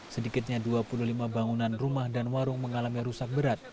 sedikitnya dua puluh lima bangunan rumah dan warung mengalami rusak berat